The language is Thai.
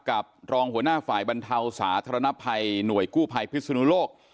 กับรองหัวหน้าฝ่ายบรรเทาสาธารณภัยหน่วยกู้ภัยพิศนุโลก